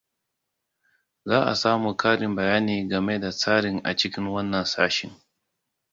Zaʻa samu ƙarin bayani game da tsarin a cikin wannan sashin.